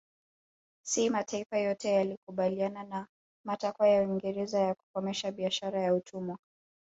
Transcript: Si mataifa yote yalikubaliana na matakwa ya Uingereza ya kukomesha biashara ya utumwa